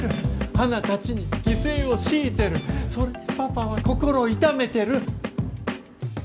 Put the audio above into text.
花たちに犠牲を強いてるそれでパパは心痛めてる